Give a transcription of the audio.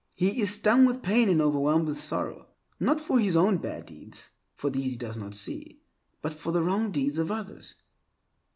He is stung with pain and overwhelmed with sorrow, not for his own bad deeds (for these he does not see) but for the wrong deeds of others.